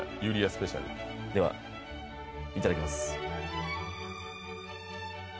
スペシャルではいただきます